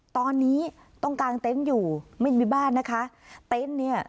ตอนนี้ต้องกางเต็นต์อยู่ไม่มีบ้านนะคะเต็นต์เนี่ย